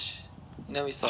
南さん）